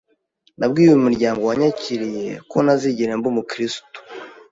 Nabwiye umuryango wanyakiriye kontazigera mba umukiristu